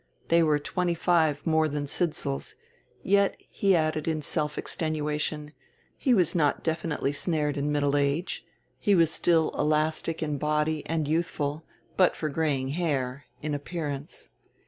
They were twenty five more than Sidsall's; yet, he added in self extenuation, he was not definitely snared in middle age; he was still elastic in body and youthful, but for graying hair, in appearance.